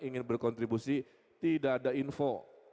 ingin berkontribusi tidak ada info